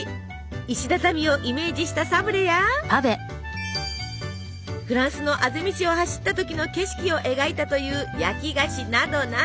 石畳をイメージしたサブレやフランスのあぜ道を走った時の景色を描いたという焼き菓子などなど。